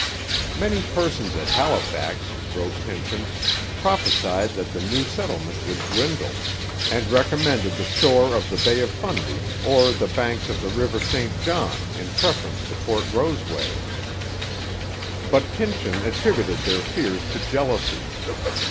Many persons at Halifax, wrote Pynchon, prophesied that the new settlement would dwindle, and recommended the shore of the Bay of Fundy or the banks of the river St John in preference to Port Roseway; but Pynchon attributed their fears to jealousy.